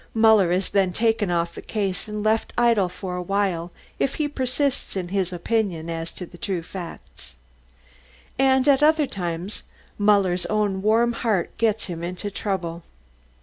Muller is then taken off the case, and left idle for a while if he persists in his opinion as to the true facts. And at other times, Muller's own warm heart gets him into trouble.